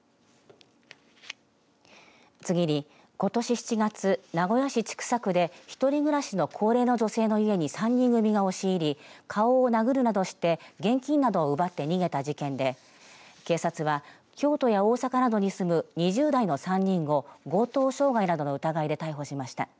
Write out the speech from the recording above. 次に、ことし７月名古屋市千種区で一人暮らしの高齢の女性の家に３人組が押し入り顔を殴るなどして現金などを奪って逃げた事件で警察は京都や大阪などに住む２０代の３人を強盗傷害などの疑いで逮捕しました。